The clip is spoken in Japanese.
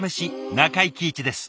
中井貴一です。